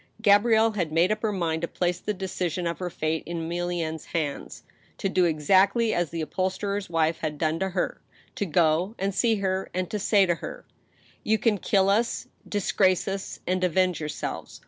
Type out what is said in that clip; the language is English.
Gabrielle had made up her mind to place the decision of her fate in Emilienne's hands ; to do exactly as the upholsterer's wife had done to her— to go and see her, and to say to her :" You can kill us, disgrace us, and avenge yourselves.